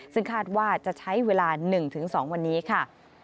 ซึ่งคาดว่าจะใช้เวลา๑๒วันนี้ค่ะ